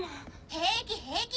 平気平気！